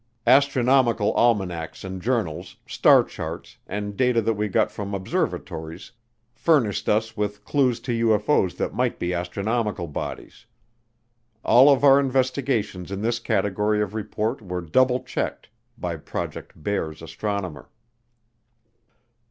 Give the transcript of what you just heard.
Astronomical almanacs and journals, star charts, and data that we got from observatories furnished us with clues to UFO's that might be astronomical bodies. All of our investigations in this category of report were double checked by Project Bear's astronomer.